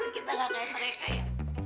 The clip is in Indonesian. kita gak kayak mereka ya